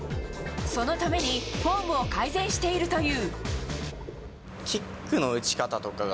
そのためにフォームを改善しているという。